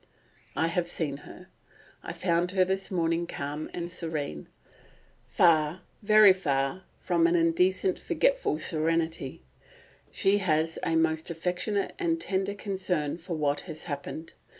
I have seen her. I found her this morning calm and serene, far, very far, from an indecent, forgetful serenity; she has a most affectionate and tender concern for what has happened.